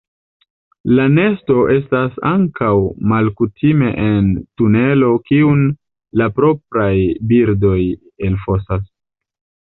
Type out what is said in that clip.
La nesto estas ankaŭ malkutime en tunelo kiun la propraj birdoj elfosas.